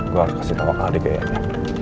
gue harus kasih tau ke adik kayaknya